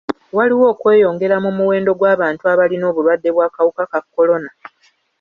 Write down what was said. Waliwo okweyongera mu muwendo gw'abantu abalina obulwadde bw'akawuka ka kolona.